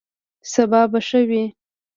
سبا به ښه وي